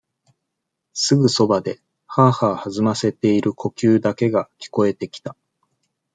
すぐそばで、はあはあ弾ませている呼吸だけが聞こえてきた。